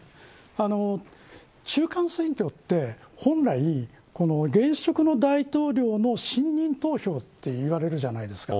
中間選挙って本来、現職の大統領の信任投票といわれるじゃないですか。